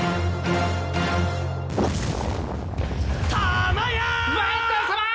たまやぁ！